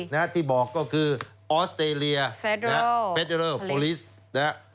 นะฮะที่บอกก็คือออสเตรเลียเฟดเตอรอลฟอลิสนะฮะ